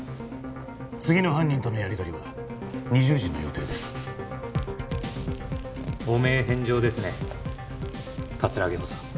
次の犯人とのやりとりは２０時の予定です汚名返上ですね葛城補佐